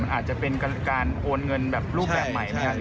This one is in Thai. มันอาจจะเป็นการโอนเงินแบบรูปแบบใหม่นะครับ